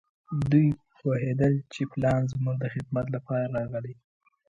دوی پوهېدل چې پلاوی زموږ د خدمت لپاره راغلی.